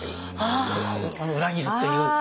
裏切るっていう。